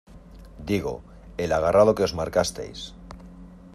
digo. el agarrado que os marcasteis ...